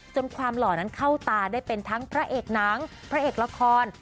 ความหล่อนั้นเข้าตาได้เป็นทั้งพระเอกหนังพระเอกละคร